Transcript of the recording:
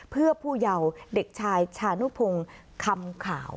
เพื่อผู้เยาว์เด็กชายชานุพงศ์คำขาว